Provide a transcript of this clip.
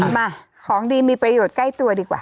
มาของดีมีประโยชน์ใกล้ตัวดีกว่า